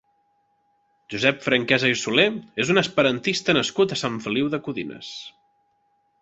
Josep Franquesa i Solé és un esperantista nascut a Sant Feliu de Codines.